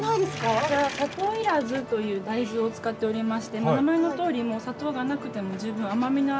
こちら「さとういらず」という大豆を使っておりまして名前のとおり砂糖がなくても十分甘みのある。